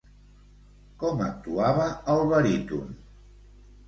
Com actuava el baríton?